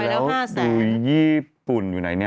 แล้วดูญี่ปุ่นอยู่ไหนี่